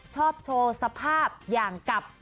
ชอบโชว์สภาพอย่างกับ